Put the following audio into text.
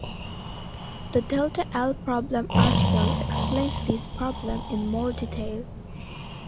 The Delta L problem article explains this problem in more detail.